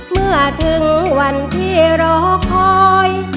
เมื่อถึงวันที่รอคอย